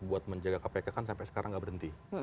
buat menjaga kpk kan sampai sekarang nggak berhenti